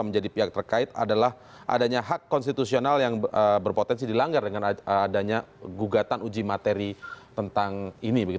menjadi pihak terkait adalah adanya hak konstitusional yang berpotensi dilanggar dengan adanya gugatan uji materi tentang ini